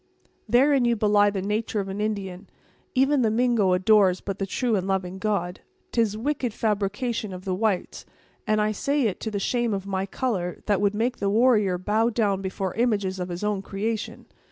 "Therein you belie the natur' of an Indian. Even the Mingo adores but the true and loving God. 'Tis wicked fabrication of the whites, and I say it to the shame of my color that would make the warrior bow down before images of his own creation.